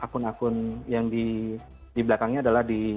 akun akun yang di belakangnya adalah di